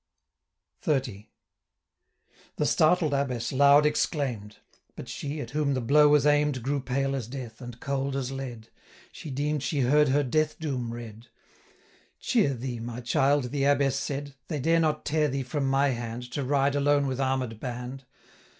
XXX. The startled Abbess loud exclaim'd; But she, at whom the blow was aim'd, Grew pale as death, and cold as lead, She deem'd she heard her death doom read. 870 'Cheer thee, my child!' the Abbess said, 'They dare not tear thee from my hand, To ride alone with armed band.'